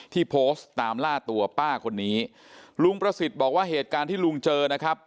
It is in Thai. ที่โพสต์ตามล่าตัวป้าคนนี้ลุงประสิทธิ์บอกว่าเหตุการณ์ที่ลุงเจอนะครับ